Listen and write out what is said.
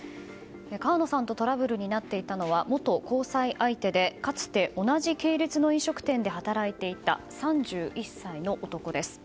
川野さんとトラブルになっていたのは、元交際相手でかつて同じ系列の飲食店で働いていた３１歳の男です。